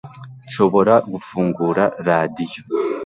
nshobora gufungura radiyo